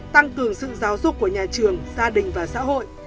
tăng cường sự giáo dục của nhà trường gia đình và xã hội